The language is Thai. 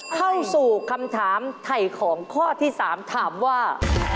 เข้าสู่คำถามไถ่ของข้อที่๓ถามว่า